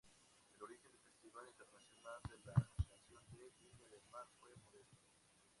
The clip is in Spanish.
El origen del Festival Internacional de la Canción de Viña del Mar fue modesto.